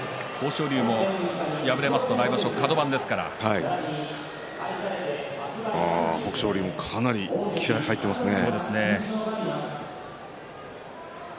豊昇龍も敗れますと来場所カド番ですから豊昇龍もかなり気合いが入っていますね。